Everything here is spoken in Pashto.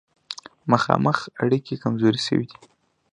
مخامخ اړیکې کمزورې شوې دي.